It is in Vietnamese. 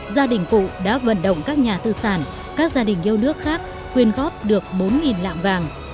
gia đình cụ đã vận động các nhà tư sản các gia đình yêu nước khác quyên góp được bốn lạng vàng